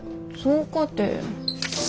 そうかて。